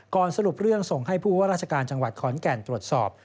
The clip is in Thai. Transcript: สรุปเรื่องส่งให้ผู้ว่าราชการจังหวัดขอนแก่นตรวจสอบ